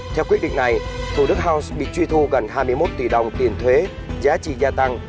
theo quyết định này thủ đức house bị truy thu gần hai mươi một tỷ đồng tiền thuế giá trị gia tăng